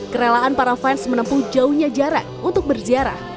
kerelaan para fans menempuh jauhnya jarak untuk berziarah